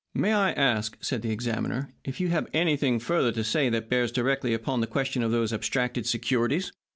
"May I ask," said the examiner, "if you have anything further to say that bears directly upon the question of those abstracted securities?"